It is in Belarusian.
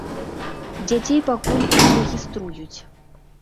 Дзяцей пакуль не рэгіструюць.